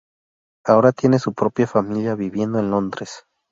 Ahora tiene su propia familia viviendo en Londres.